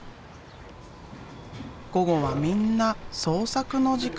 午後はみんな創作の時間。